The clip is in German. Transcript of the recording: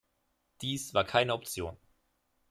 Dies war keine Option.